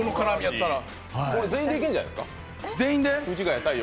これ、全員できるんじゃないですか？